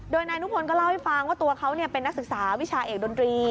โดยนายนุพลก็เล่าให้ฟังว่าตัวเขาเป็นนักศึกษาวิชาเอกดนตรี